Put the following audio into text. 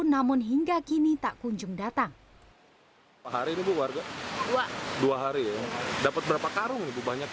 namun hingga kini tak kunjung datang